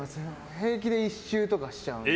平気で１周とかしちゃうんで。